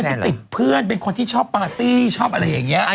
ที่ติดเพื่อนเป็นคนที่ชอบปาร์ตี้ชอบอะไรอย่างนี้